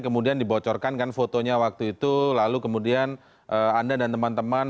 kemudian dibocorkan kan fotonya waktu itu lalu kemudian anda dan teman teman